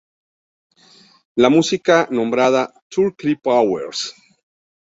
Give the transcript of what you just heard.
La música nombrada, "Turtle Power".